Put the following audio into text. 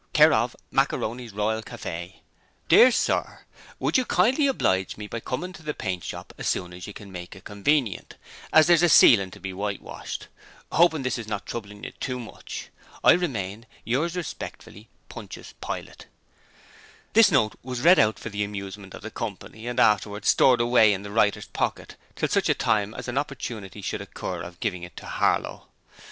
c/o Macaroni's Royal Cafe till called for. Mister Harlow, Dear Sir: Wood you kinely oblige me bi cummin to the paint shop as soon as you can make it convenient as there is a sealin' to be wite woshed hoppin this is not trubbling you to much I remane Yours respeckfully Pontius Pilate. This note was read out for the amusement of the company and afterwards stored away in the writer's pocket till such a time as an opportunity should occur of giving it to Harlow.